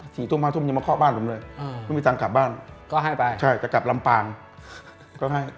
นี่ต้มฮาตุ้มยังมาคอกบ้านผมเลยไม่มีตรงกลับบ้านก็ให้ไปใช่จะกลับลำปางก็ให้๒๐๐๐